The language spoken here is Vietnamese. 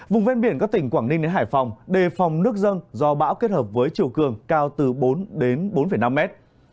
vùng ven biển các tỉnh quảng ninh đến hải phòng đề phòng nước dân do bão kết hợp với chiều cường cao từ bốn đến bốn năm mét